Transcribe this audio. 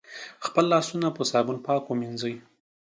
خپل لاسونه په صابون پاک ومېنځی